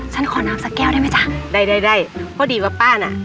ฉันขอน้ำสักแก้วได้ไหมจ้ะได้พอดีป้าป้าน่ะ